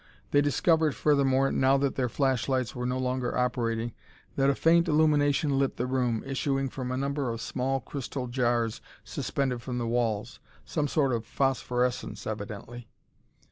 They discovered, furthermore, now that their flashlights were no longer operating, that a faint illumination lit the room, issuing from a number of small crystal jars suspended from the walls: some sort of phosphorescence, evidently.